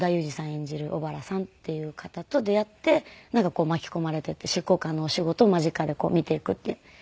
演じる小原さんっていう方と出会って巻き込まれていって執行官のお仕事を間近で見ていくっていう。